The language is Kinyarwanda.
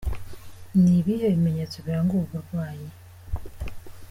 Ni ibihe bimenyetso biranga ubu burwayi? .